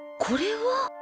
これは？